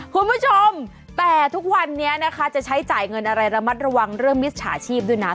คุณผู้ชมแต่ทุกวันนี้นะคะจะใช้จ่ายเงินอะไรระมัดระวังเรื่องมิจฉาชีพด้วยนะ